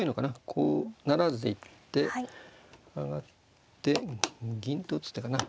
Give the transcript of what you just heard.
こう不成で行って上がって銀と打つ手かな。